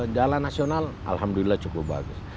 jalan nasional alhamdulillah cukup bagus